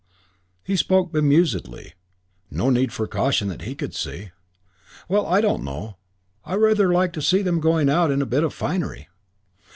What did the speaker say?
He spoke bemusedly. No need for caution that he could see. "Well, I don't know I rather like to see them going out in a bit of finery."